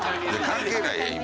関係ないやん今。